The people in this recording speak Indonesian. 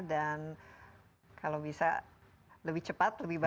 dan kalau bisa lebih cepat lebih cepat